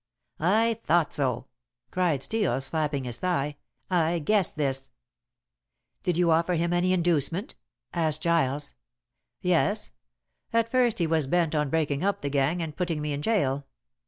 "I thought so!" cried Steel, slapping his thigh. "I guessed this." "Did you offer him any inducement?" asked Giles. "Yes. At first he was bent on breaking up the gang and putting me in jail.